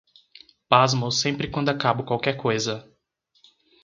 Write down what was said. Pasmo sempre quando acabo qualquer coisa.